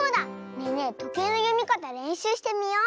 ねえねえとけいのよみかたれんしゅうしてみよう！